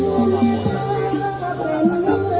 สวัสดีครับทุกคน